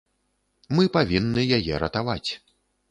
Мы павінны яе ратаваць.